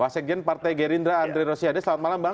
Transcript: wasekjen partai gerindra andre rosiade selamat malam bang